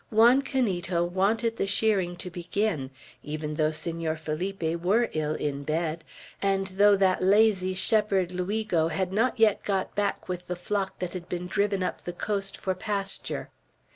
Juan Canito wanted the shearing to begin, even though Senor Felipe were ill in bed, and though that lazy shepherd Luigo had not yet got back with the flock that had been driven up the coast for pasture.